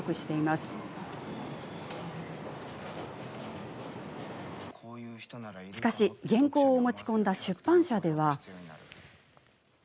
しかし、原稿を持ち込んだ出版社では。